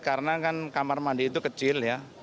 karena kan kamar mandi itu kecil ya